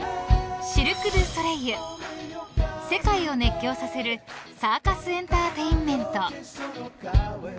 ［世界を熱狂させるサーカスエンターテインメント］